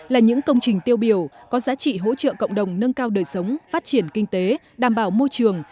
là những công trình tiêu biểu có giá trị hỗ trợ cộng đồng nâng cao đời sống phát triển kinh tế đảm bảo môi trường